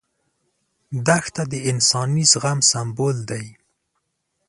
دښته د انساني زغم سمبول ده.